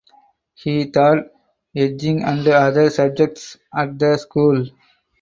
He taught etching and other subjects at the school.